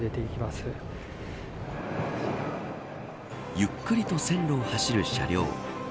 ゆっくりと線路を走る車両。